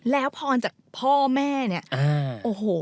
แล้วพรจากพ่อแม่เนี่ยโอ้โห